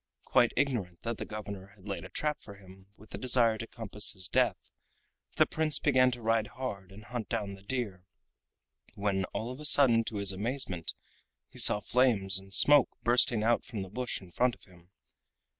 Quite ignorant that the governor had laid a trap for him with the desire to compass his death, the Prince began to ride hard and hunt down the deer, when all of a sudden to his amazement he saw flames and smoke bursting out from the bush in front of him.